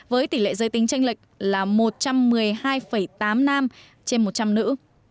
với tỷ lệ giới tính tranh lệch là một trăm một mươi hai tám nam trên một trăm linh nữ